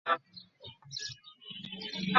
এত ছোট বিষয় নিয়ে রাগ করছিস কেন?